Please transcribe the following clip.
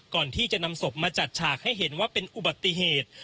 ก่อนที่จะนำศพมาจัดฉากให้เห็นว่าเป็นอุบัติเหตุ